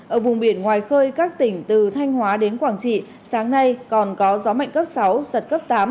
ở vùng biển ngoài khơi các tỉnh từ thanh hóa đến quảng trị sáng nay còn có gió mạnh cấp sáu giật cấp tám